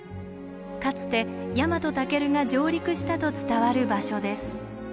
かつてヤマトタケルが上陸したと伝わる場所です。